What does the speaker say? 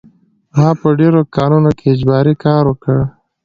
ما په ډېرو کانونو کې اجباري کار وکړ